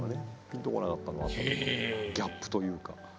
ピンと来なかったのはギャップというか。